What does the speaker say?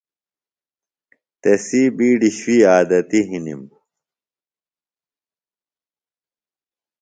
تسی بِیڈیۡ شُوئی عادتیۡ ہِنم۔